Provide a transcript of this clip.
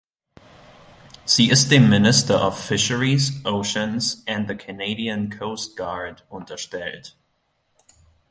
Sie ist dem Minister of Fisheries, Oceans, and the Canadian Coast Guard unterstellt.